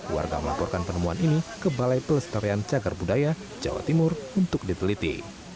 warga melaporkan penemuan ini ke balai pelestarian cagar budaya jawa timur untuk diteliti